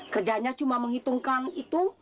kerjanya cuma menghitungkan itu